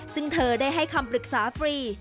ซึ่งเธอได้ให้คำปรึกษาฟรี